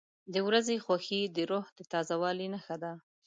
• د ورځې خوښي د روح د تازه والي نښه ده.